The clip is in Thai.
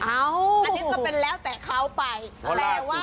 อันนี้ก็เป็นแล้วแต่เขาไป